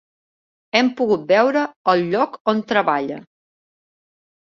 Hem pogut veure el lloc on treballa.